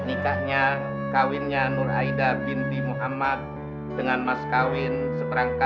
ini mata indahku kuberikan kepadamu